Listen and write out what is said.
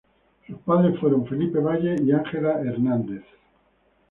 Sus padres fueron Felipe Valle y Ángela Hernández.